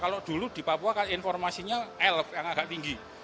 kalau dulu di papua kan informasinya l yang agak tinggi